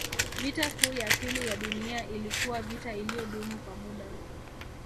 Vita Kuu ya Pili ya Dunia ilikuwa vita iliyodumu kwa muda